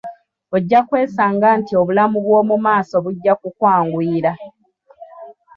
Ojja kwesanga nti obulamu bw'omu maaso bujja kukwanguyira.